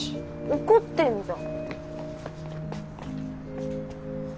怒ってんじゃん。